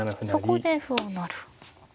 そこで歩を成る。